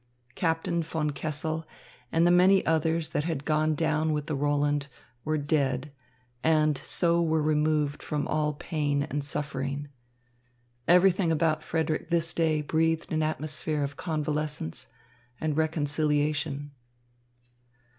Captain von Kessel and the many others that had gone down with the Roland were dead and so were removed from all pain and suffering. Everything about Frederick this day breathed an atmosphere of convalescence and reconciliation.